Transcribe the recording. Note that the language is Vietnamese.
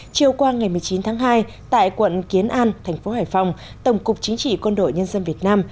chiều qua ngày một mươi chín tháng hai tại quận kiến an thành phố hải phòng tổng cục chính trị quân đội nhân dân việt nam